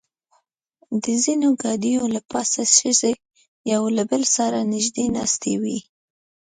د ځینو ګاډیو له پاسه ښځې یو له بل سره نږدې ناستې وې.